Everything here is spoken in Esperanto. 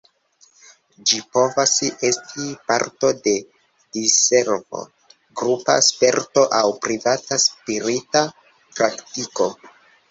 Ĝi povas esti parto de diservo, grupa sperto aŭ privata spirita praktiko.